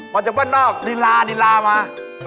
มาจากบ้านนอกดินลามา